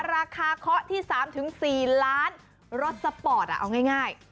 ราคาเคาะที่๓๔ล้านรถสปอร์ตเอาง่าย